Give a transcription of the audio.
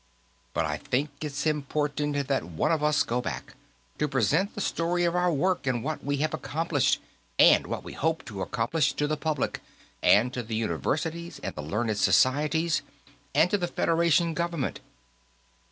But I think it's important that one of us go back, to present the story of our work, and what we have accomplished and what we hope to accomplish, to the public and to the universities and the learned societies, and to the Federation Government.